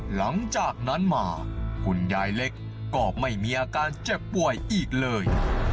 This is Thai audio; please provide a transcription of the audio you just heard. หลังจากนั้นมาคุณยายเล็กก็ไม่มีอาการเจ็บป่วยอีกเลย